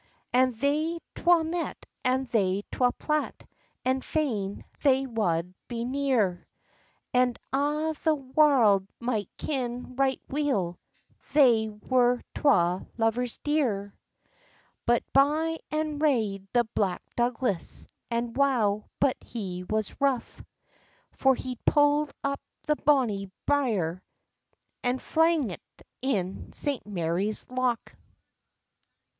And they twa met, and they twa plat, And fain they wad be near; And a' the warld might ken right weel, They were twa lovers dear. But by and rade the Black Douglas, And wow but he was rough! For he pull'd up the bonny brier, An flang't in St. Marie's Loch.